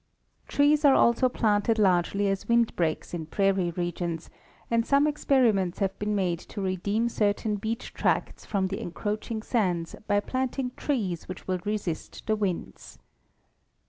Trees are also planted largely as wind breaks in prairie regions, and some experiments have been made to redeem certain beach tracts from the encroaching sands by planting trees which will resist the winds.